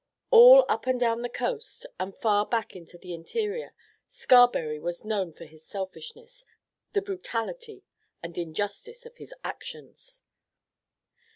All up and down the coast and far back into the interior, Scarberry was known for the selfishness, the brutality and injustice of his actions.